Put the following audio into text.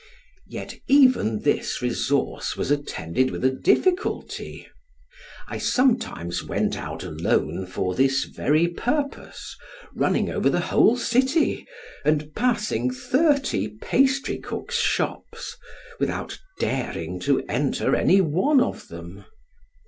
Yet even this resource was attended with a difficulty. I sometimes went out alone for this very purpose, running over the whole city, and passing thirty pastry cook's shops, without daring to enter any one of them.